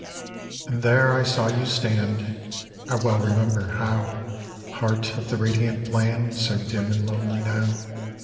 And there I saw you stand, I well remember how, Heart of the radiant land So dim and lonely now.